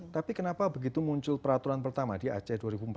tapi kenapa begitu muncul peraturan pertama di aceh dua ribu empat belas